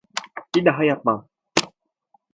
Bir daha yapmam.